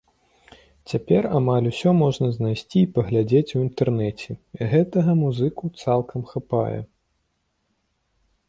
Цяпер амаль усё можна знайсці і паглядзець у інтэрнэце, і гэтага музыку цалкам хапае.